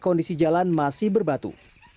kondisi jalan masih berbatu